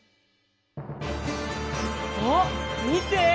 あっみて！